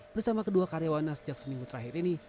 bersama kedua karyawannya sejak seminggu terakhir ini